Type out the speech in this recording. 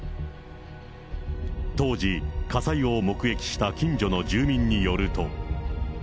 当時、火災を目撃した近所の住民によると。